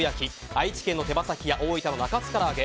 愛知県の手羽先や大分県の中津からあげ。